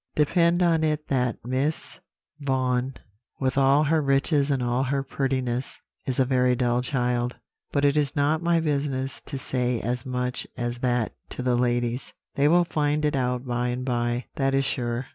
Depend on it that Miss Vaughan, with all her riches and all her prettiness, is a very dull child; but it is not my business to say as much as that to the ladies; they will find it out by and by, that is sure.